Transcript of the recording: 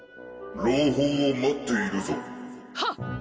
朗報を待っているぞはっ！